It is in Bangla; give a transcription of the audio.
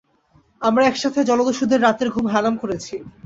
আমরা একসাথে জলদস্যুদের রাতের ঘুম হারাম করেছি।